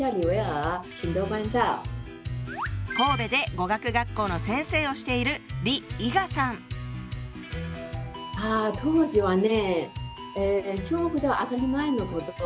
神戸で語学学校の先生をしているああ当時はね